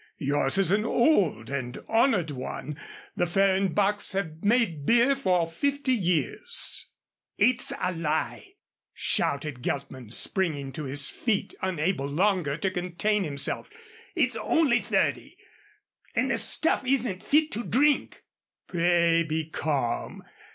Yours is an old and honored one. The Fehrenbachs have made beer for fifty years " "It's a lie," shouted Geltman springing to his feet, unable longer to contain himself. "It's only thirty and the stuff isn't fit to drink." "Pray be calm.